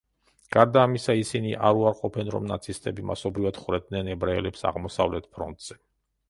გარდა ამისა, ისინი არ უარყოფენ, რომ ნაცისტები მასობრივად ხვრეტდნენ ებრაელებს აღმოსავლეთ ფრონტზე.